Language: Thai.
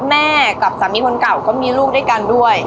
แม่กับสามีคนเก่าก็มีลูกด้วยกันด้วย